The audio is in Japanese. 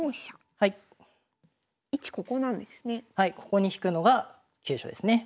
ここに引くのが急所ですね。